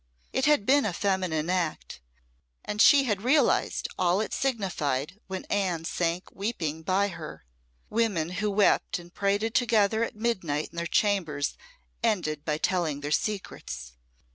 It had been a feminine act, and she had realised all it signified when Anne sank weeping by her. Women who wept and prated together at midnight in their chambers ended by telling their secrets.